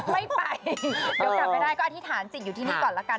ไม่ไปเดี๋ยวกลับไปได้ก็อธิษฐานจิตอยู่ที่นี่ก่อนละกัน